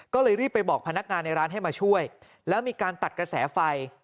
ก็เลยรีบไปบอกพนักงานในร้านให้มาช่วยแล้วมีการตัดกระแสไฟ